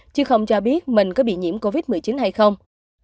chứ không cho biết mình có bị nhiễm covid một mươi chín hay không